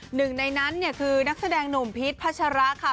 หนึ่งในนั้นเนี่ยคือนักแสดงหนุ่มพีชพัชระค่ะ